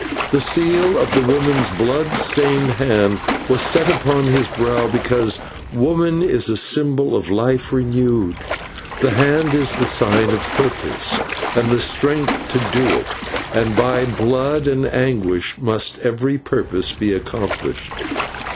The seal of the woman's blood stained hand was set upon his brow because woman is a symbol of life renewed, the hand is the sign of purpose and the strength to do it, and by blood and anguish must every purpose be accomplished.